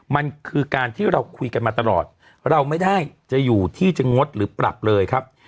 มันคือการที่เราคุยกันมาตลอดเราไม่ได้จะอยู่ที่จะงดหรือปรับเลยครับ